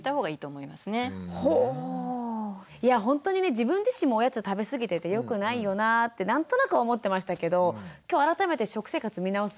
自分自身もおやつを食べ過ぎててよくないよなって何となく思ってましたけど今日改めて食生活見直す